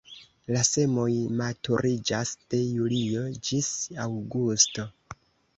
La semoj maturiĝas de julio ĝis aŭgusto.